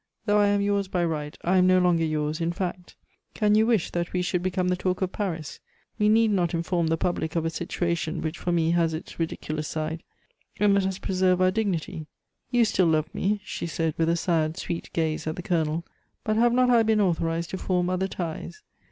Though I am yours by right, I am no longer yours in fact. Can you wish that we should become the talk of Paris? We need not inform the public of a situation, which for me has its ridiculous side, and let us preserve our dignity. You still love me," she said, with a sad, sweet gaze at the Colonel, "but have not I been authorized to form other ties?